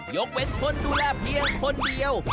ยกเว้นคนดูแลเพียงคนเดียว